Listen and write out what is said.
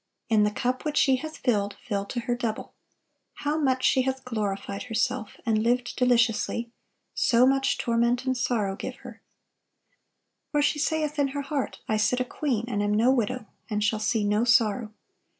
"In the cup which she hath filled, fill to her double. How much she hath glorified herself, and lived deliciously, so much torment and sorrow give her: for she saith in her heart, I sit a queen, and am no widow, and shall see no sorrow.